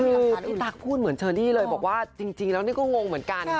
คือพี่ตั๊กพูดเหมือนเชอรี่เลยบอกว่าจริงแล้วนี่ก็งงเหมือนกัน